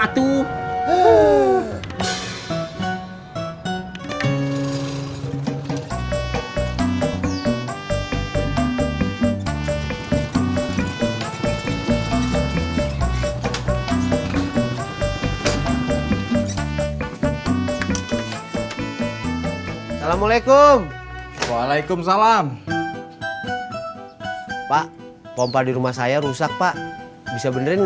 assalamualaikum waalaikumsalam pak pompa di rumah saya rusak pak bisa benerin